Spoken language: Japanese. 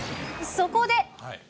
そこで。